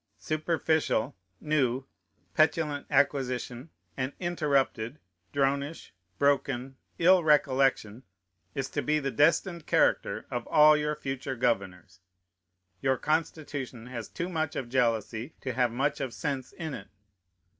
Superficial, new, petulant acquisition, and interrupted, dronish, broken, ill recollection, is to be the destined character of all your future governors. Your Constitution has too much of jealousy to have much of sense in it.